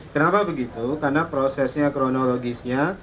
kenapa begitu karena prosesnya kronologisnya